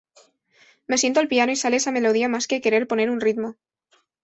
Me siento al piano y sale esa melodía más que querer poner un ritmo.